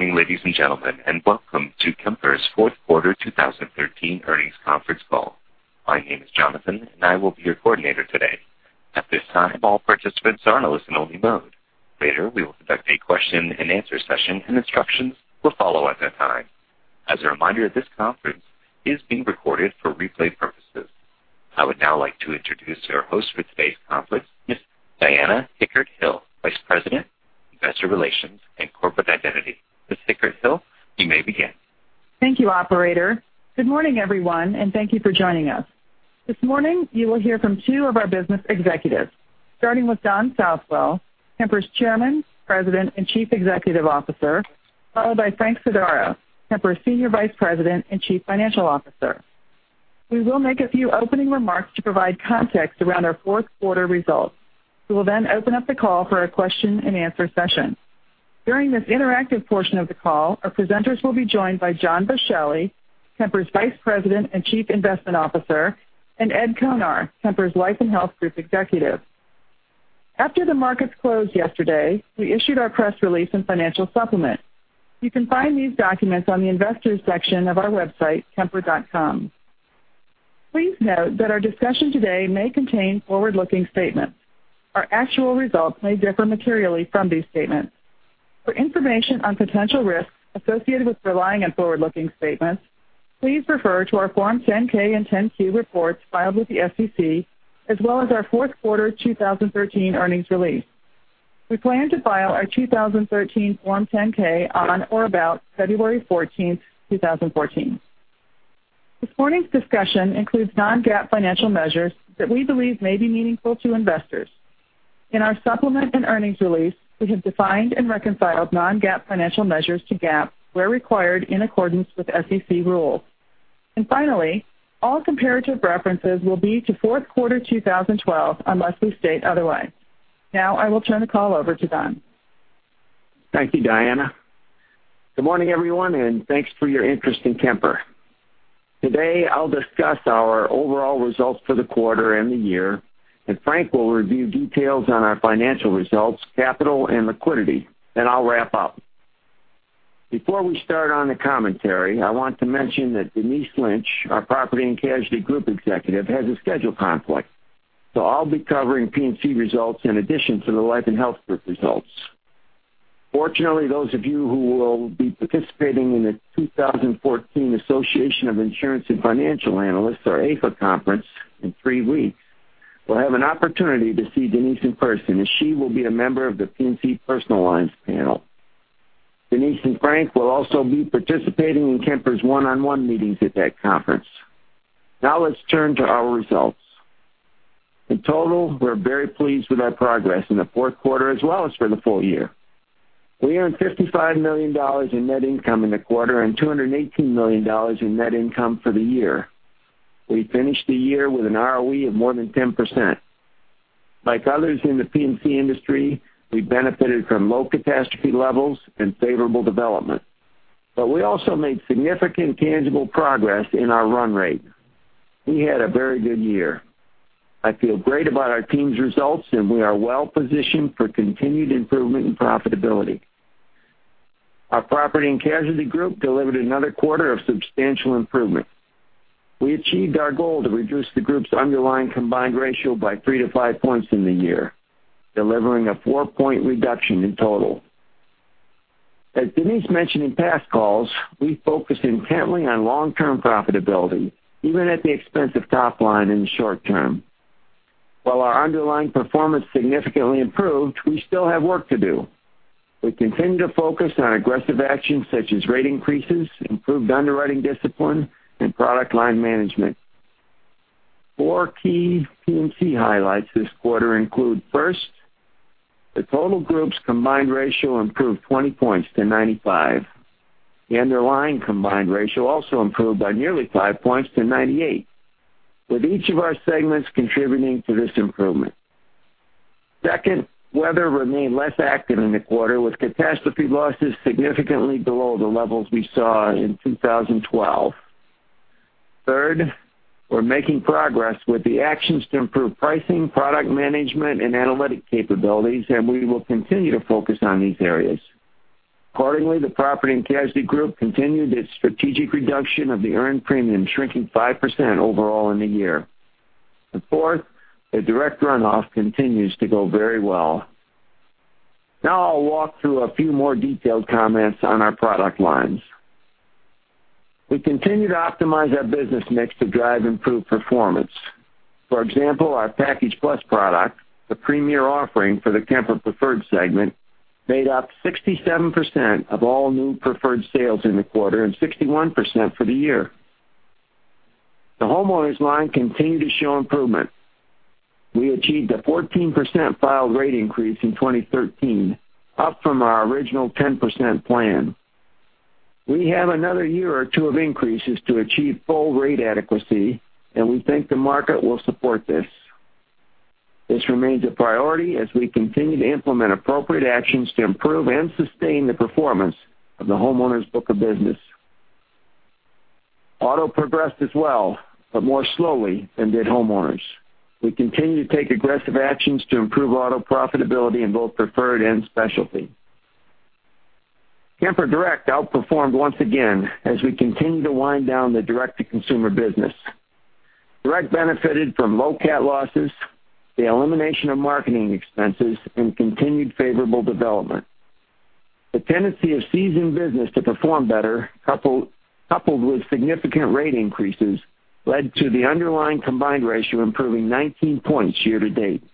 Good morning, ladies and gentlemen, welcome to Kemper's fourth quarter 2013 earnings conference call. My name is Jonathan, I will be your coordinator today. At this time, all participants are in listen only mode. Later, we will conduct a question and answer session, instructions will follow at that time. As a reminder, this conference is being recorded for replay purposes. I would now like to introduce our host for today's conference, Ms. Diana Hickert-Hill, Vice President, Investor Relations and Corporate Identity. Ms. Hickert-Hill, you may begin. Thank you, operator. Good morning, everyone, thank you for joining us. This morning, you will hear from two of our business executives, starting with Don Southwell, Kemper's Chairman, President, and Chief Executive Officer, followed by Frank Sodaro, Kemper's Senior Vice President and Chief Financial Officer. We will make a few opening remarks to provide context around our fourth quarter results. We will open up the call for a question and answer session. During this interactive portion of the call, our presenters will be joined by John Boschelli, Kemper's Vice President and Chief Investment Officer, and Ed Konar, Kemper's Life and Health Group Executive. After the markets closed yesterday, we issued our press release and financial supplement. You can find these documents on the investors section of our website, kemper.com. Please note that our discussion today may contain forward-looking statements. Our actual results may differ materially from these statements. For information on potential risks associated with relying on forward-looking statements, please refer to our Form 10-K and 10-Q reports filed with the SEC, as well as our fourth quarter 2013 earnings release. We plan to file our 2013 Form 10-K on or about February 14th, 2014. This morning's discussion includes non-GAAP financial measures that we believe may be meaningful to investors. In our supplement and earnings release, we have defined and reconciled non-GAAP financial measures to GAAP where required in accordance with SEC rules. Finally, all comparative references will be to fourth quarter 2012, unless we state otherwise. I will turn the call over to Don. Thank you, Diana. Good morning, everyone, thanks for your interest in Kemper. Today, I'll discuss our overall results for the quarter and the year, Frank will review details on our financial results, capital, and liquidity. I'll wrap up. Before we start on the commentary, I want to mention that Denise Lynch, our Property and Casualty Group Executive, has a schedule conflict. I'll be covering P&C results in addition to the life and health group results. Fortunately, those of you who will be participating in the 2014 Association of Insurance and Financial Analysts, or AIFA conference in three weeks will have an opportunity to see Denise in person as she will be a member of the P&C personal lines panel. Denise and Frank will also be participating in Kemper's one-on-one meetings at that conference. Let's turn to our results. In total, we're very pleased with our progress in the fourth quarter as well as for the full year. We earned $55 million in net income in the quarter and $218 million in net income for the year. We finished the year with an ROE of more than 10%. Like others in the P&C industry, we benefited from low catastrophe levels and favorable development. We also made significant tangible progress in our run rate. We had a very good year. I feel great about our team's results, and we are well-positioned for continued improvement and profitability. Our property and casualty group delivered another quarter of substantial improvement. We achieved our goal to reduce the group's underlying combined ratio by three to five points in the year, delivering a four-point reduction in total. As Denise mentioned in past calls, we focused intently on long-term profitability, even at the expense of top line in the short term. While our underlying performance significantly improved, we still have work to do. We continue to focus on aggressive actions such as rate increases, improved underwriting discipline, and product line management. Four key P&C highlights this quarter include, First, the total group's combined ratio improved 20 points to 95%. The underlying combined ratio also improved by nearly five points to 98%, with each of our segments contributing to this improvement. Second, weather remained less active in the quarter, with catastrophe losses significantly below the levels we saw in 2012. Third, we're making progress with the actions to improve pricing, product management, and analytic capabilities. We will continue to focus on these areas. Accordingly, the property and casualty group continued its strategic reduction of the earned premium, shrinking 5% overall in the year. Fourth, the direct runoff continues to go very well. Now I'll walk through a few more detailed comments on our product lines. We continue to optimize our business mix to drive improved performance. For example, our Package Plus product, the premier offering for the Kemper Preferred segment, made up 67% of all new preferred sales in the quarter and 61% for the year. The homeowners line continued to show improvement. We achieved a 14% filed rate increase in 2013, up from our original 10% plan. We have another year or two of increases to achieve full rate adequacy. We think the market will support this. This remains a priority as we continue to implement appropriate actions to improve and sustain the performance of the homeowners book of business. Auto progressed as well, more slowly than did homeowners. We continue to take aggressive actions to improve auto profitability in both preferred and specialty. Kemper Direct outperformed once again as we continue to wind down the direct-to-consumer business. Direct benefited from low cat losses, the elimination of marketing expenses, and continued favorable development. The tendency of seasoned business to perform better, coupled with significant rate increases, led to the underlying combined ratio improving 19 points year-to-date.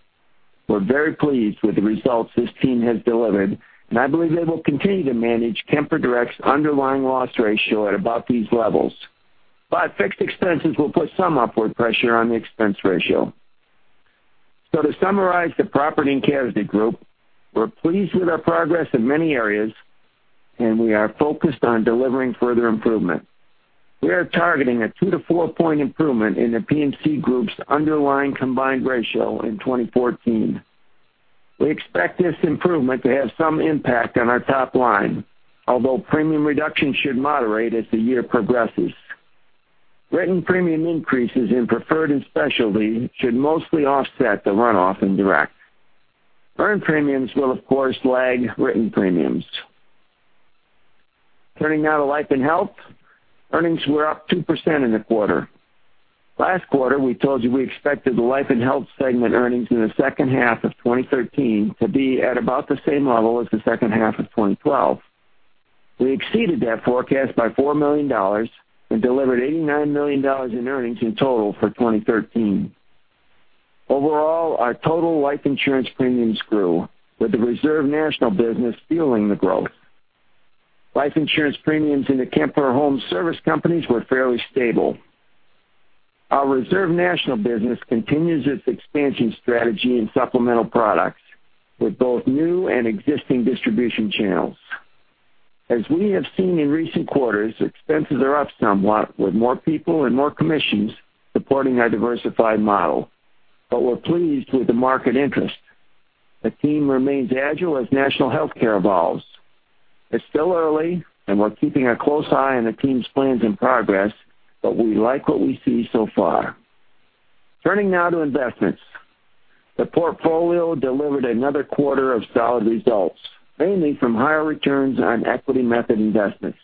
We're very pleased with the results this team has delivered. I believe they will continue to manage Kemper Direct's underlying loss ratio at above these levels. Fixed expenses will put some upward pressure on the expense ratio. To summarize the Property and Casualty Group, we're pleased with our progress in many areas, and we are focused on delivering further improvement. We are targeting a 2 to 4-point improvement in the P&C Group's underlying combined ratio in 2014. We expect this improvement to have some impact on our top line, although premium reduction should moderate as the year progresses. Written premium increases in Preferred and Specialty should mostly offset the runoff in Direct. Earned premiums will, of course, lag written premiums. Turning now to Life & Health, earnings were up 2% in the quarter. Last quarter, we told you we expected the Life & Health segment earnings in the second half of 2013 to be at about the same level as the second half of 2012. We exceeded that forecast by $4 million and delivered $89 million in earnings in total for 2013. Overall, our total life insurance premiums grew, with the Reserve National business fueling the growth. Life insurance premiums in the Kemper Home Service Companies were fairly stable. Our Reserve National business continues its expansion strategy in supplemental products with both new and existing distribution channels. As we have seen in recent quarters, expenses are up somewhat, with more people and more commissions supporting our diversified model, but we're pleased with the market interest. The team remains agile as national healthcare evolves. It's still early, and we're keeping a close eye on the team's plans and progress, but we like what we see so far. Turning now to investments. The portfolio delivered another quarter of solid results, mainly from higher returns on equity method investments.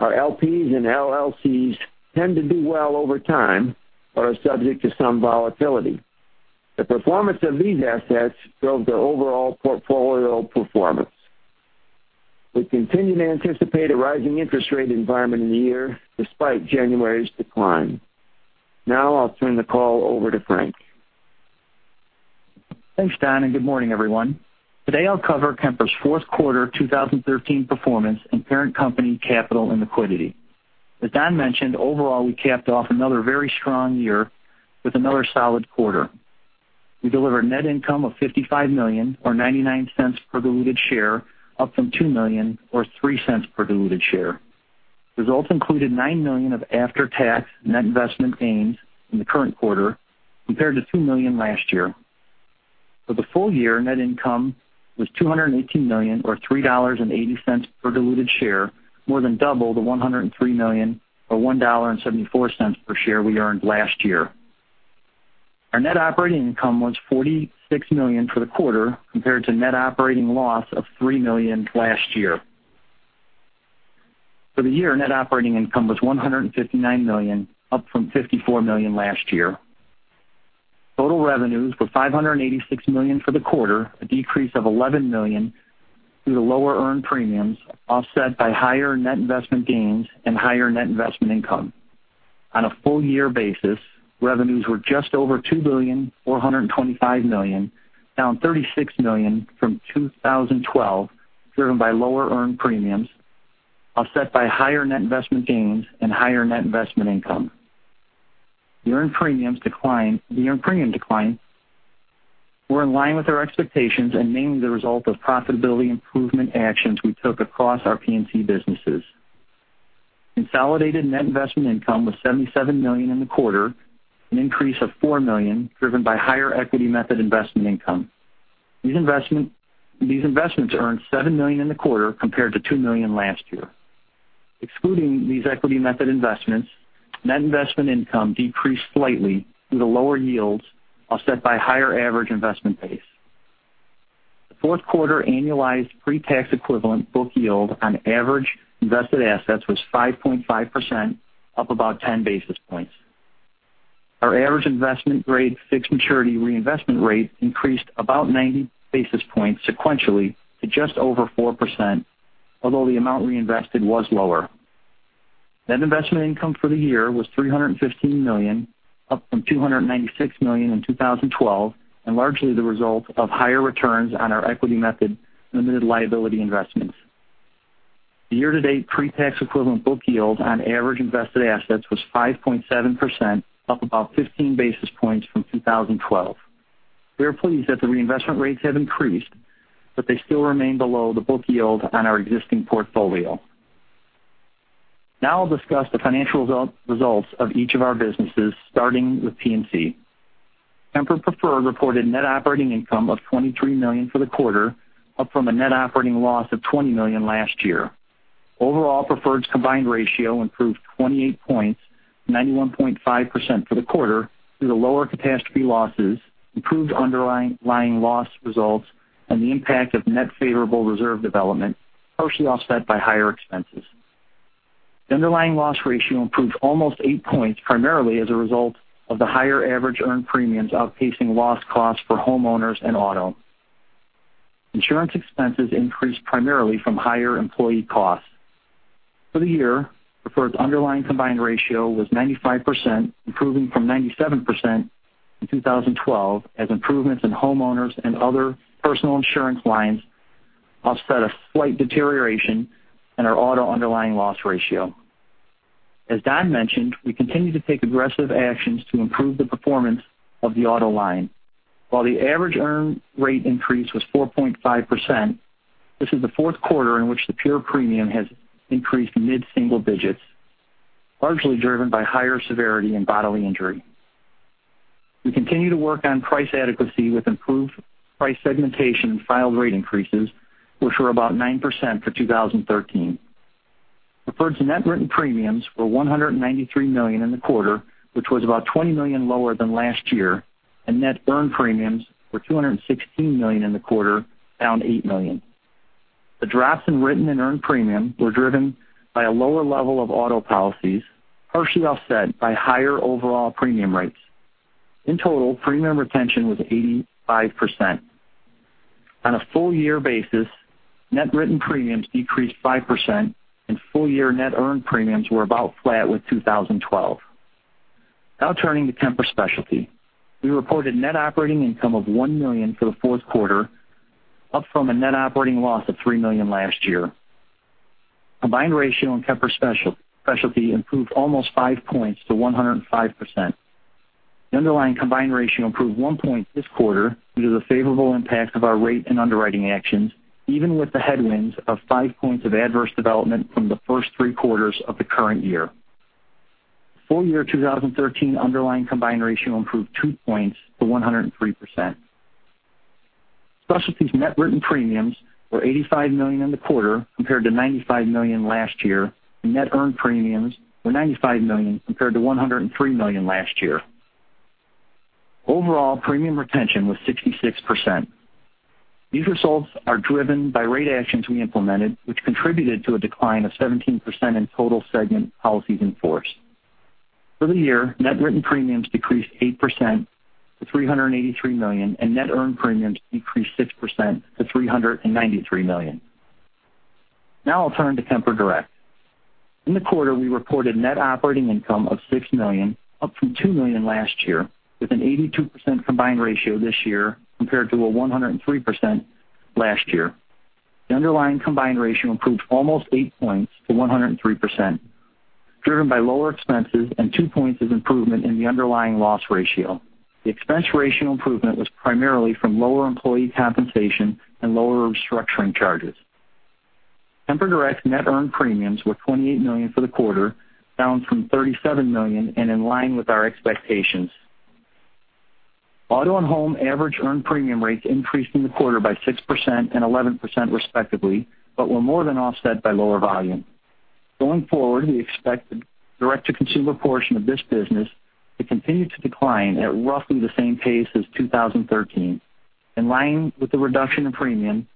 Our LPs and LLCs tend to do well over time but are subject to some volatility. The performance of these assets drove the overall portfolio performance. We continue to anticipate a rising interest rate environment in the year despite January's decline. I'll turn the call over to Frank. Thanks, Don. Good morning, everyone. Today, I'll cover Kemper's fourth quarter 2013 performance and parent company capital and liquidity. As Don mentioned, overall, we capped off another very strong year with another solid quarter. We delivered net income of $55 million, or $0.99 per diluted share, up from $2 million or $0.03 per diluted share. Results included $9 million of after-tax net investment gains in the current quarter compared to $2 million last year. For the full year, net income was $218 million, or $3.80 per diluted share, more than double the $103 million, or $1.74 per share we earned last year. Our net operating income was $46 million for the quarter, compared to net operating loss of $3 million last year. For the year, net operating income was $159 million, up from $54 million last year. Total revenues were $586 million for the quarter, a decrease of $11 million due to lower earned premiums, offset by higher net investment gains and higher net investment income. On a full year basis, revenues were just over $2,425 million, down $36 million from 2012, driven by lower earned premiums, offset by higher net investment gains and higher net investment income. The earned premium decline were in line with our expectations and mainly the result of profitability improvement actions we took across our P&C businesses. Consolidated net investment income was $77 million in the quarter, an increase of $4 million driven by higher equity method investment income. These investments earned $7 million in the quarter compared to $2 million last year. Excluding these equity method investments, net investment income decreased slightly due to lower yields, offset by higher average investment base. The fourth quarter annualized pre-tax equivalent book yield on average invested assets was 5.5%, up about 10 basis points. Our average investment grade fixed maturity reinvestment rate increased about 90 basis points sequentially to just over 4%, although the amount reinvested was lower. Net investment income for the year was $315 million, up from $296 million in 2012 and largely the result of higher returns on our equity method limited liability investments. The year-to-date pre-tax equivalent book yield on average invested assets was 5.7%, up about 15 basis points from 2012. They still remain below the book yield on our existing portfolio. I'll discuss the financial results of each of our businesses, starting with P&C. Kemper Preferred reported net operating income of $23 million for the quarter, up from a net operating loss of $20 million last year. Overall, Preferred's combined ratio improved 28 points, 91.5% for the quarter due to lower catastrophe losses, improved underlying loss results, and the impact of net favorable reserve development, partially offset by higher expenses. The underlying loss ratio improved almost 8 points, primarily as a result of the higher average earned premiums outpacing loss costs for homeowners and auto. Insurance expenses increased primarily from higher employee costs. For the year, Preferred's underlying combined ratio was 95%, improving from 97% in 2012 as improvements in homeowners and other personal insurance lines offset a slight deterioration in our auto underlying loss ratio. As Don mentioned, we continue to take aggressive actions to improve the performance of the auto line. While the average earned rate increase was 4.5%, this is the fourth quarter in which the pure premium has increased mid-single digits, largely driven by higher severity and bodily injury. We continue to work on price adequacy with improved price segmentation and filed rate increases, which were about 9% for 2013. Preferred's net written premiums were $193 million in the quarter, which was about $20 million lower than last year, and net earned premiums were $216 million in the quarter, down $8 million. The drops in written and earned premium were driven by a lower level of auto policies, partially offset by higher overall premium rates. In total, premium retention was 85%. On a full year basis, net written premiums decreased 5%, and full-year net earned premiums were about flat with 2012. Turning to Kemper Specialty. We reported net operating income of $1 million for the fourth quarter, up from a net operating loss of $3 million last year. Combined ratio on Kemper Specialty improved almost 5 points to 105%. The underlying combined ratio improved one point this quarter due to the favorable impact of our rate and underwriting actions, even with the headwinds of five points of adverse development from the first three quarters of the current year. Full year 2013 underlying combined ratio improved two points to 103%. Specialty's net written premiums were $85 million in the quarter compared to $95 million last year, and net earned premiums were $95 million compared to $103 million last year. Overall, premium retention was 66%. These results are driven by rate actions we implemented, which contributed to a decline of 17% in total segment policies in force. For the year, net written premiums decreased 8% to $383 million, and net earned premiums decreased 6% to $393 million. I'll turn to Kemper Direct. In the quarter, we reported net operating income of $6 million, up from $2 million last year, with an 82% combined ratio this year compared to a 103% last year. The underlying combined ratio improved almost eight points to 103%, driven by lower expenses and two points of improvement in the underlying loss ratio. The expense ratio improvement was primarily from lower employee compensation and lower restructuring charges. Kemper Direct net earned premiums were $28 million for the quarter, down from $37 million and in line with our expectations. Auto and home average earned premium rates increased in the quarter by 6% and 11% respectively, but were more than offset by lower volume. Going forward, we expect the direct-to-consumer portion of this business to continue to decline at roughly the same pace as 2013. In line with the reduction in premium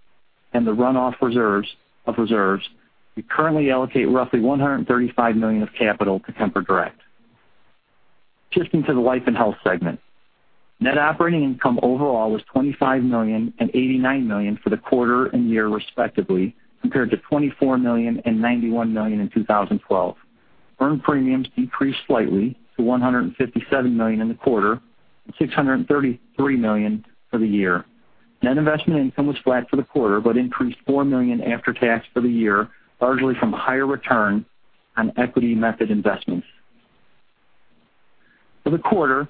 and the runoff of reserves, we currently allocate roughly $135 million of capital to Kemper Direct. Shifting to the life and health segment. Net operating income overall was $25 million and $89 million for the quarter and year respectively, compared to $24 million and $91 million in 2012. Earned premiums decreased slightly to $157 million in the quarter and $633 million for the year. Net investment income was flat for the quarter but increased $4 million after tax for the year, largely from higher return on equity method investments. For the quarter,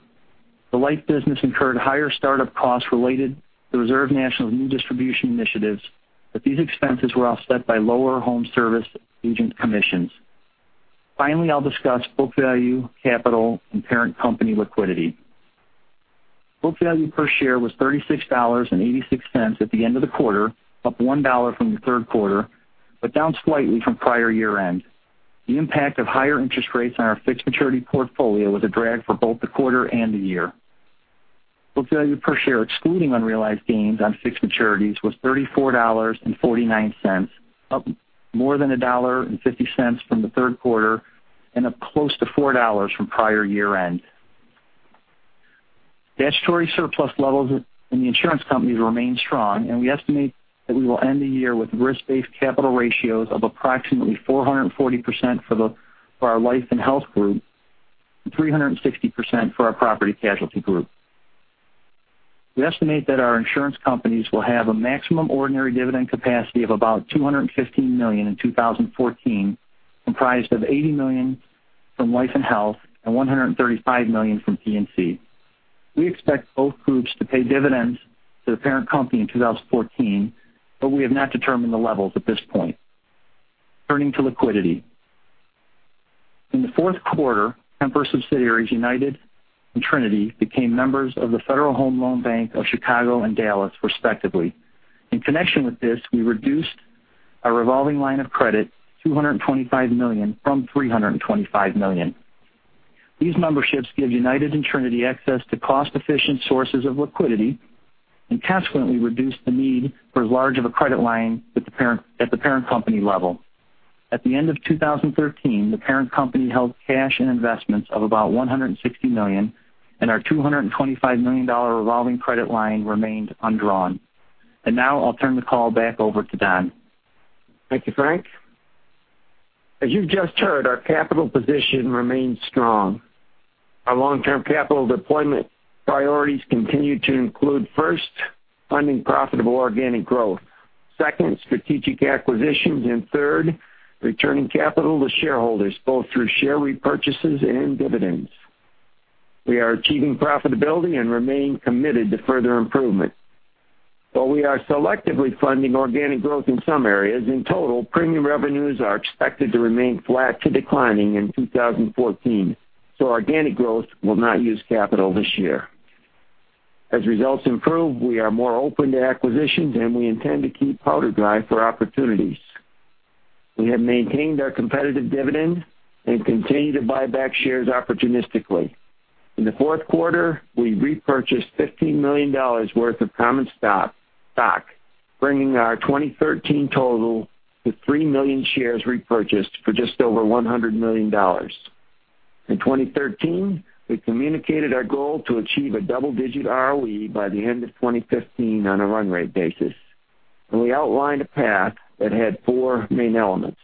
the life business incurred higher startup costs related to Reserve National's new distribution initiatives, but these expenses were offset by lower home service agent commissions. I'll discuss book value, capital, and parent company liquidity. Book value per share was $36.86 at the end of the quarter, up $1 from the third quarter, but down slightly from prior year-end. The impact of higher interest rates on our fixed maturity portfolio was a drag for both the quarter and the year. Book value per share, excluding unrealized gains on fixed maturities, was $34.49, up more than $1.50 from the third quarter and up close to $4 from prior year-end. Statutory surplus levels in the insurance companies remain strong, and we estimate that we will end the year with risk-based capital ratios of approximately 440% for our life and health group and 360% for our property casualty group. We estimate that our insurance companies will have a maximum ordinary dividend capacity of about $215 million in 2014, comprised of $80 million from life and health and $135 million from P&C. We expect both groups to pay dividends to the parent company in 2014, we have not determined the levels at this point. Turning to liquidity. In the fourth quarter, Kemper subsidiaries United and Trinity became members of the Federal Home Loan Bank of Chicago and Dallas, respectively. In connection with this, we reduced our revolving line of credit $225 million from $325 million. These memberships give United and Trinity access to cost-efficient sources of liquidity and consequently reduce the need for as large of a credit line at the parent company level. At the end of 2013, the parent company held cash and investments of about $160 million, and our $225 million revolving credit line remained undrawn. Now I'll turn the call back over to Don. Thank you, Frank. As you've just heard, our capital position remains strong. Our long-term capital deployment priorities continue to include, first, funding profitable organic growth, second, strategic acquisitions, and third, returning capital to shareholders, both through share repurchases and dividends. We are achieving profitability and remain committed to further improvement. While we are selectively funding organic growth in some areas, in total, premium revenues are expected to remain flat to declining in 2014, organic growth will not use capital this year. As results improve, we are more open to acquisitions, and we intend to keep powder dry for opportunities. We have maintained our competitive dividend and continue to buy back shares opportunistically. In the fourth quarter, we repurchased $15 million worth of common stock, bringing our 2013 total to 3 million shares repurchased for just over $100 million. In 2013, we communicated our goal to achieve a double-digit ROE by the end of 2015 on a run rate basis, we outlined a path that had four main elements.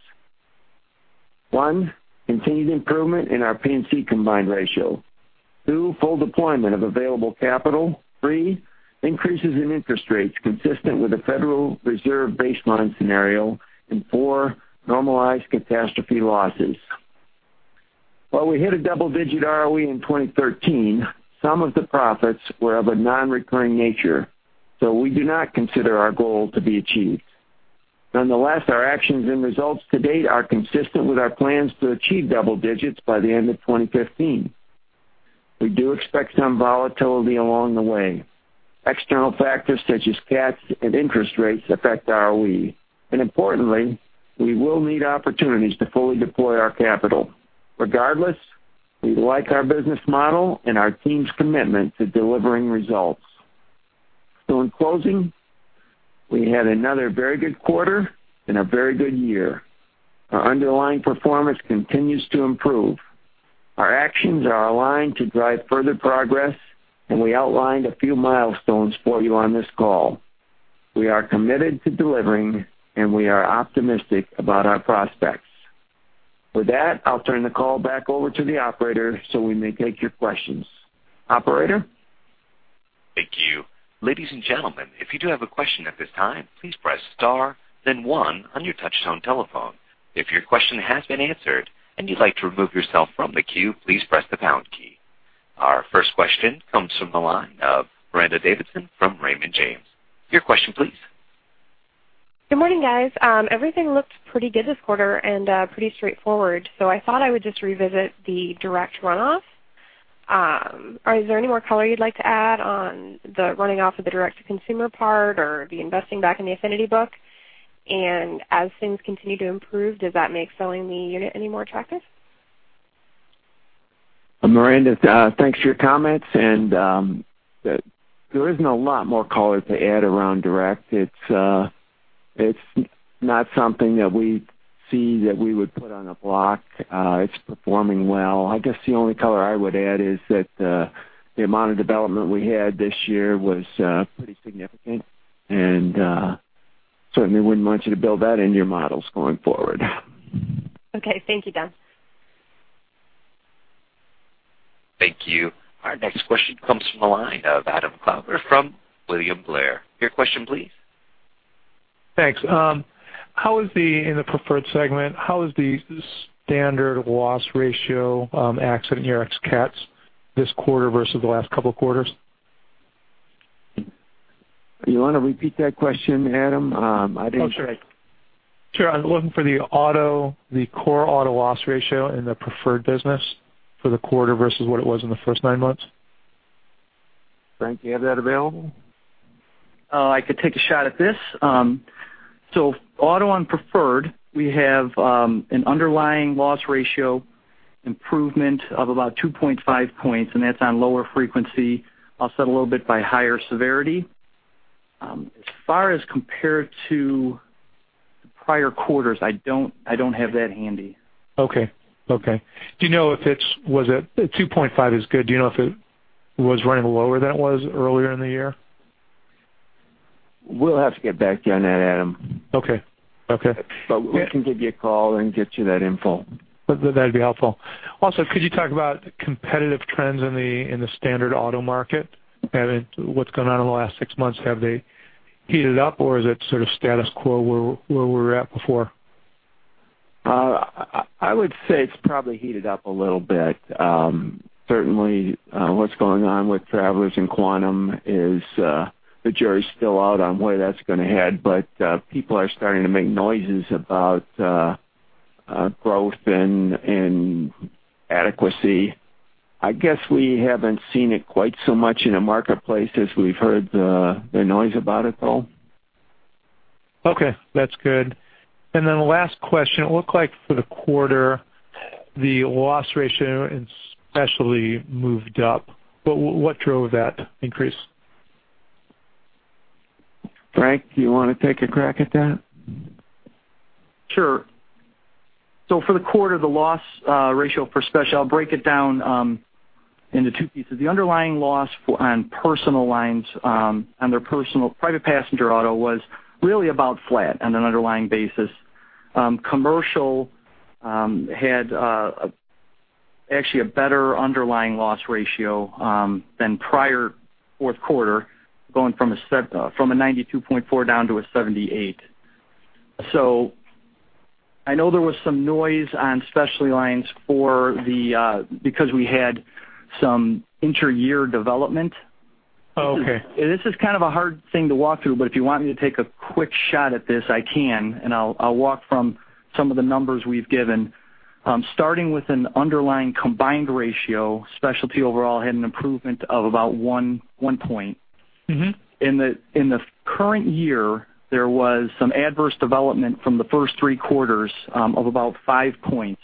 1, continued improvement in our P&C combined ratio. 2, full deployment of available capital. 3, increases in interest rates consistent with the Federal Reserve baseline scenario. 4, normalized catastrophe losses. While we hit a double-digit ROE in 2013, some of the profits were of a non-recurring nature, we do not consider our goal to be achieved. Nonetheless, our actions and results to date are consistent with our plans to achieve double digits by the end of 2015. We do expect some volatility along the way. External factors such as cats and interest rates affect ROE, and importantly, we will need opportunities to fully deploy our capital. Regardless, we like our business model and our team's commitment to delivering results. In closing, we had another very good quarter and a very good year. Our underlying performance continues to improve. Our actions are aligned to drive further progress, we outlined a few milestones for you on this call. We are committed to delivering, we are optimistic about our prospects. With that, I'll turn the call back over to the operator, we may take your questions. Operator? Thank you. Ladies and gentlemen, if you do have a question at this time, please press star then one on your touchtone telephone. If your question has been answered and you'd like to remove yourself from the queue, please press the pound key. Our first question comes from the line of Miranda Davidson from Raymond James. Your question please. Good morning, guys. Everything looked pretty good this quarter and pretty straightforward, I thought I would just revisit the direct runoff. Is there any more color you'd like to add on the running off of the direct-to-consumer part or the investing back in the affinity book? As things continue to improve, does that make selling the unit any more attractive? Miranda, thanks for your comments. There isn't a lot more color to add around direct. It's not something that we see that we would put on a block. It's performing well. I guess the only color I would add is that the amount of development we had this year was pretty significant, and certainly wouldn't want you to build that into your models going forward. Okay. Thank you, Don. Thank you. Our next question comes from the line of Adam Klauber from William Blair. Your question please. Thanks. In the Preferred segment, how is the standard loss ratio, accident year ex cats this quarter versus the last couple of quarters? You want to repeat that question, Adam? Oh, sure. I'm looking for the core auto loss ratio in the Preferred business for the quarter versus what it was in the first nine months. Frank, do you have that available? I could take a shot at this. Auto on Preferred, we have an underlying loss ratio improvement of about 2.5 points, and that's on lower frequency, offset a little bit by higher severity. As far as compared to prior quarters, I don't have that handy. Okay. 2.5 is good. Do you know if it was running lower than it was earlier in the year? We'll have to get back to you on that, Adam. Okay. We can give you a call and get you that info. That'd be helpful. Also, could you talk about competitive trends in the standard auto market and what's gone on in the last six months? Have they heated up, or is it sort of status quo where we were at before? I would say it's probably heated up a little bit. Certainly, what's going on with Travelers and Quantum is, the jury's still out on where that's going to head, but people are starting to make noises about - growth and adequacy. I guess we haven't seen it quite so much in the marketplace as we've heard the noise about it, though. Okay, that's good. Last question. It looked like for the quarter, the loss ratio especially moved up. What drove that increase? Frank, do you want to take a crack at that? For the quarter, the loss ratio for Specialty, I'll break it down into two pieces. The underlying loss on personal lines, under personal private passenger auto was really about flat on an underlying basis. Commercial had actually a better underlying loss ratio than prior fourth quarter, going from a 92.4 down to a 78. I know there was some noise on Specialty lines because we had some inter-year development. Oh, okay. This is kind of a hard thing to walk through, but if you want me to take a quick shot at this, I can, and I'll walk from some of the numbers we've given. Starting with an underlying combined ratio, Specialty overall had an improvement of about one point. In the current year, there was some adverse development from the first three quarters of about five points.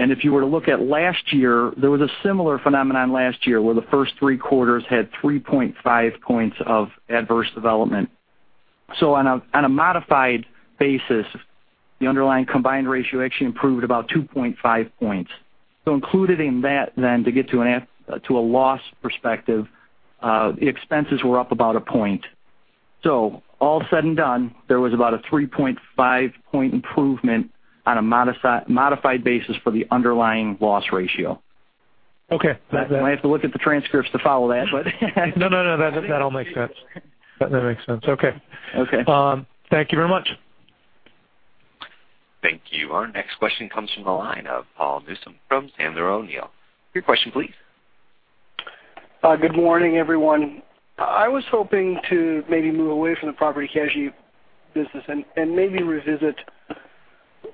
If you were to look at last year, there was a similar phenomenon last year, where the first three quarters had 3.5 points of adverse development. On a modified basis, the underlying combined ratio actually improved about 2.5 points. Included in that, to get to a loss perspective, the expenses were up about a point. All said and done, there was about a 3.5 point improvement on a modified basis for the underlying loss ratio. Okay. You might have to look at the transcripts to follow that, but No, that all makes sense. That makes sense. Okay. Okay. Thank you very much. Thank you. Our next question comes from the line of Paul Newsome from Sandler O'Neill. Your question please. Good morning, everyone. I was hoping to maybe move away from the property casualty business and maybe revisit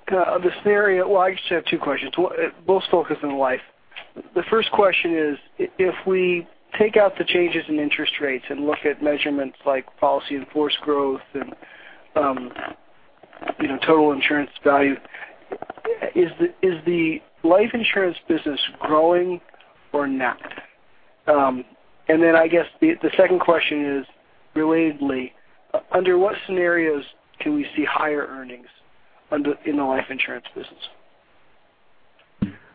kind of the scenario. Well, I actually have two questions, both focused on life. The first question is, if we take out the changes in interest rates and look at measurements like policy in force growth and total insurance value, is the life insurance business growing or not? I guess, the second question is relatedly, under what scenarios can we see higher earnings in the life insurance business?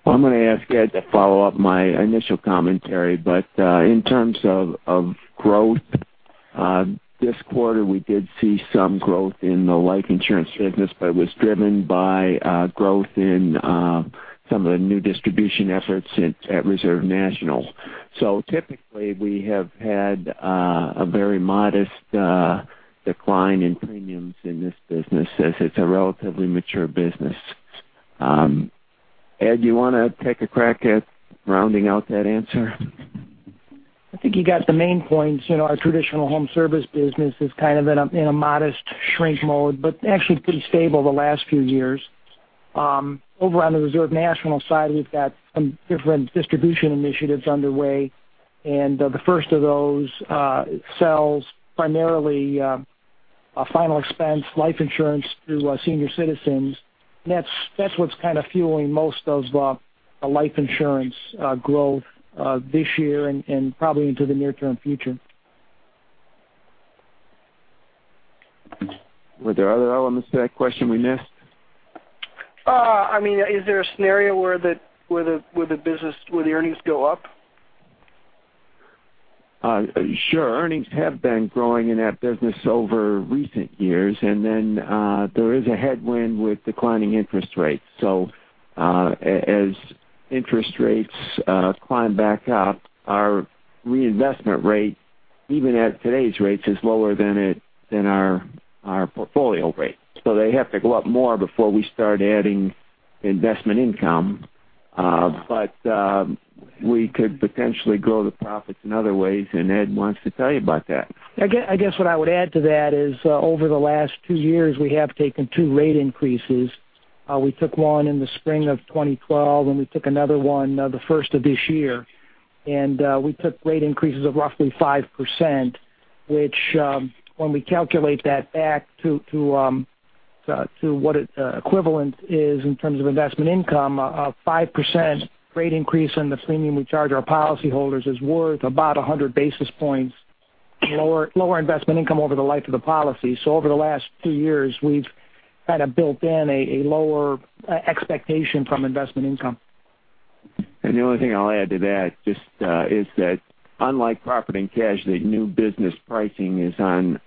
Well, I'm going to ask Ed to follow up my initial commentary, in terms of growth, this quarter, we did see some growth in the life insurance business, it was driven by growth in some of the new distribution efforts at Reserve National. Typically, we have had a very modest decline in premiums in this business, as it's a relatively mature business. Ed, do you want to take a crack at rounding out that answer? I think you got the main points. Our traditional home service business is kind of in a modest shrink mode, actually pretty stable the last few years. Over on the Reserve National side, we've got some different distribution initiatives underway. The first of those sells primarily a final expense life insurance through senior citizens. That's what's kind of fueling most of the life insurance growth this year and probably into the near-term future. Were there other elements to that question we missed? Is there a scenario where the earnings go up? Sure. Earnings have been growing in that business over recent years. Then there is a headwind with declining interest rates. As interest rates climb back up, our reinvestment rate, even at today's rates, is lower than our portfolio rate. They have to go up more before we start adding investment income. We could potentially grow the profits in other ways, and Ed wants to tell you about that. I guess what I would add to that is over the last two years, we have taken two rate increases. We took one in the spring of 2012, we took another one the first of this year, we took rate increases of roughly 5%, which when we calculate that back to what equivalent is in terms of investment income of 5% rate increase on the premium we charge our policyholders is worth about 100 basis points lower investment income over the life of the policy. Over the last two years, we've kind of built in a lower expectation from investment income. The only thing I'll add to that just is that unlike property and casualty, new business pricing is on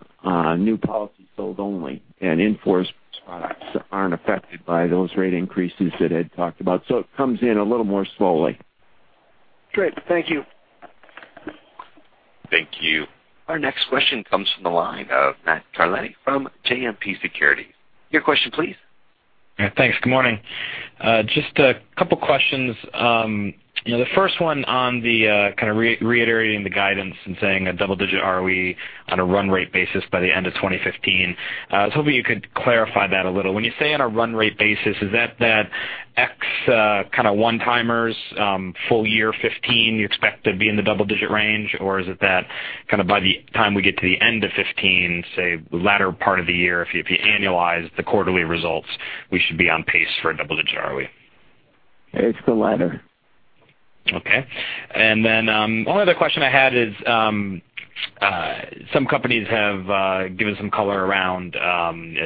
new policies sold only, and in-force products aren't affected by those rate increases that Ed talked about. It comes in a little more slowly. Great. Thank you. Thank you. Our next question comes from the line of Matthew Carletti from JMP Securities. Your question please. Yeah, thanks. Good morning. Just a couple of questions. The first one on the kind of reiterating the guidance and saying a double-digit ROE on a run rate basis by the end of 2015. I was hoping you could clarify that a little. When you say on a run rate basis, is that ex kind of one-timers, full year 2015 you expect to be in the double-digit range? Or is it that kind of by the time we get to the end of 2015, say, latter part of the year, if you annualize the quarterly results, we should be on pace for a double-digit ROE? It's the latter. Okay. One other question I had is, some companies have given some color around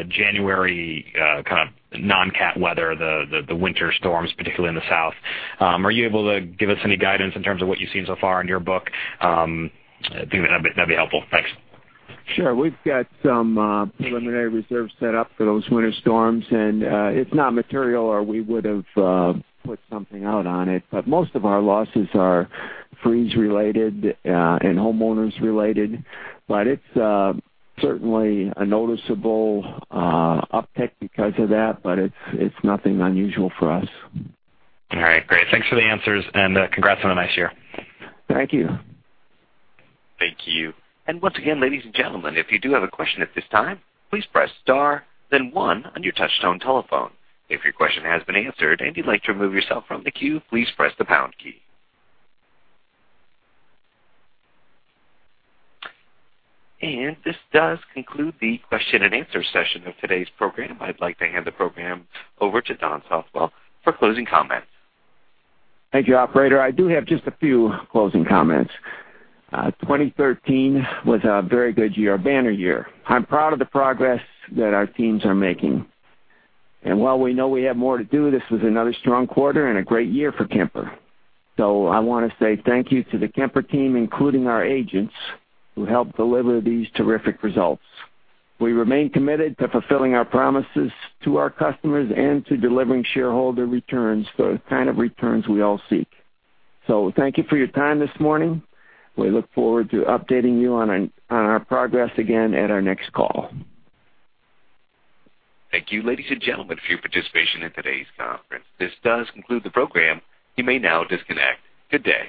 January, kind of non-cat weather, the winter storms, particularly in the South. Are you able to give us any guidance in terms of what you've seen so far in your book? I think that'd be helpful. Thanks. Sure. We've got some preliminary reserves set up for those winter storms. It's not material, or we would have put something out on it. Most of our losses are freeze-related and homeowners related. It's certainly a noticeable uptick because of that, but it's nothing unusual for us. All right, great. Thanks for the answers. Congrats on a nice year. Thank you. Thank you. Once again, ladies and gentlemen, if you do have a question at this time, please press star then one on your touch tone telephone. If your question has been answered and you'd like to remove yourself from the queue, please press the pound key. This does conclude the question and answer session of today's program. I'd like to hand the program over to Don Southwell for closing comments. Thank you, operator. I do have just a few closing comments. 2013 was a very good year, a banner year. I'm proud of the progress that our teams are making. While we know we have more to do, this was another strong quarter and a great year for Kemper. I want to say thank you to the Kemper team, including our agents, who helped deliver these terrific results. We remain committed to fulfilling our promises to our customers and to delivering shareholder returns, the kind of returns we all seek. Thank you for your time this morning. We look forward to updating you on our progress again at our next call. Thank you, ladies and gentlemen, for your participation in today's conference. This does conclude the program. You may now disconnect. Good day.